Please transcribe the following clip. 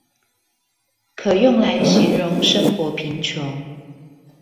可用來形容生活貧窮？